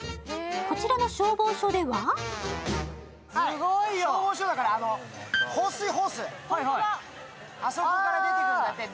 こちらの消防署では消防署だから放水ホース、あそこから出てくるんだって。